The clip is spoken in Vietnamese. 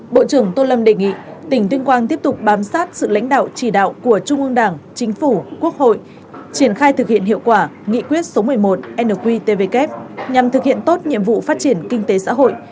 bộ trưởng tô lâm đề nghị tỉnh tuyên quang tiếp tục bám sát sự lãnh đạo chỉ đạo của trung ương đảng chính phủ quốc hội triển khai thực hiện hiệu quả nghị quyết số một mươi một nqtvk nhằm thực hiện tốt nhiệm vụ phát triển kinh tế xã hội